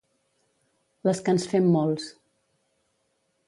Les que ens fem molts.